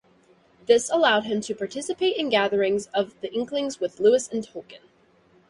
This allowed him to participate in gatherings of the Inklings with Lewis and Tolkien.